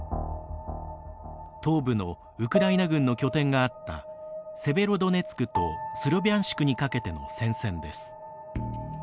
東部のウクライナ軍の拠点があったセベロドネツクとスロビャンシクにかけての戦線です。